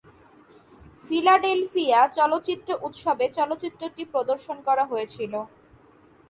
Philadelphia চলচ্চিত্র উৎসবে চলচ্চিত্রটি প্রদর্শন করা হয়েছিল।